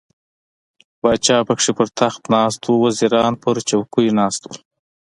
پاچا پکې پر تخت ناست و، وزیران پر څوکیو ناست وو.